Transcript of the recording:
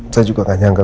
saya juga gak nyangka